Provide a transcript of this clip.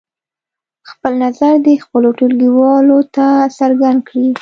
خپل نظر دې خپلو ټولګیوالو ته څرګند کړي.